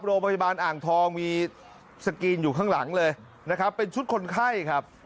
โรงพยาบาลอ่างทองมีสกรีนอยู่ข้างหลังเลยนะครับเป็นชุดคนไข้ครับ